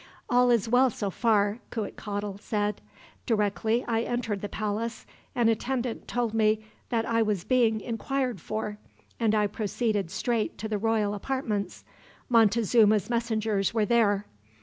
"All is well so far," Cuitcatl said. "Directly I entered the palace, an attendant told me that I was being inquired for, and I proceeded straight to the royal apartments. Montezuma's messengers were there.